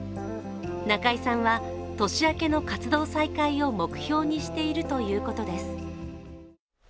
中居さんは年明けの活動再開を目標にしているということです。